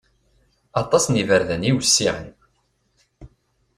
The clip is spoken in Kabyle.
Aṭas n iberdan i iwessiɛen.